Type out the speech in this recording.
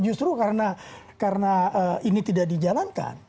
justru karena ini tidak dijalankan